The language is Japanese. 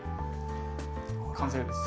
完成です。